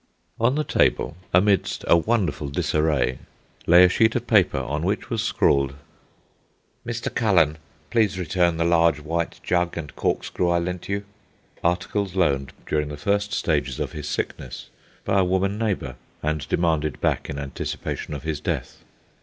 On the table, amidst a wonderful disarray, lay a sheet of paper on which was scrawled: Mr. Cullen, please return the large white jug and corkscrew I lent you—articles loaned, during the first stages of his sickness, by a woman neighbour, and demanded back in anticipation of his death.